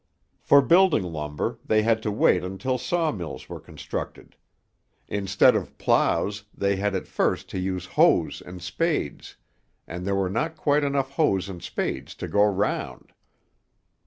For building lumber they had to wait until saw mills were constructed; instead of ploughs they had at first to use hoes and spades, and there were not quite enough hoes and spades to go round.